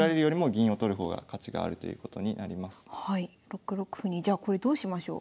６六歩にじゃあこれどうしましょう？